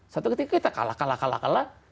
satu ketika kita kalah kalah